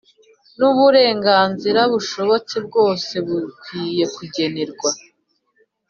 n’uburenganzira bushobotse bwose bukwiye kugenerwa